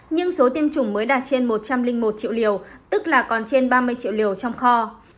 nhưng số tiêm chủng mới đạt trên một trăm linh một triệu liều tức là còn trên ba mươi triệu liều trong kho